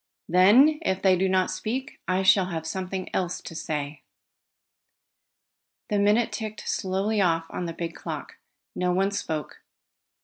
Then, if they do not speak, I shall have something else to say." The minute ticked slowly off on the big clock. No one spoke.